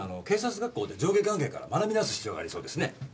警察学校で上下関係から学び直す必要がありそうですね。